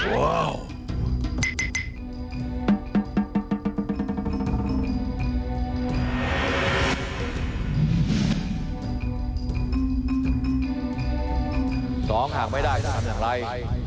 หากไม่ได้จะทำอย่างไร